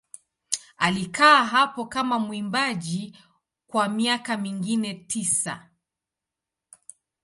Alikaa hapo kama mwimbaji kwa miaka mingine tisa.